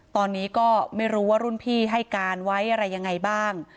ตอนนี้ก็ไม่รู้ว่ารุ่นพี่ให้การไว้อะไรยังไงบ้าง